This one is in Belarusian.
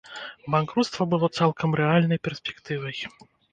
Банкруцтва было цалкам рэальнай перспектывай.